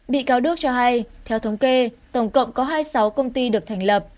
bị cáo đức cho hay theo thống kê tổng cộng có hai mươi sáu công ty được thành lập